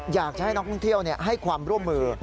อยากจะให้นักท่องเที่ยวให้ความร่วมมือ